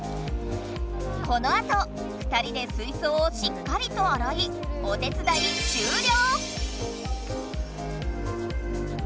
このあと２人で水槽をしっかりとあらいおよいでる